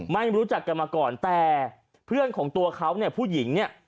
ไม่รู้จักกันมาก่อนแต่เพื่อนของตัวเขาเนี่ยผู้หญิงเนี่ย